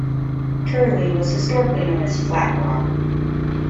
Turley was historically known as Flat Rock.